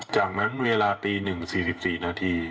จากนั้นเวลาตี๑๔๔นาที